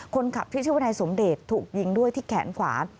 คนขับพิชาวนายสมเดชถูกยิงด้วยที่แขนขวา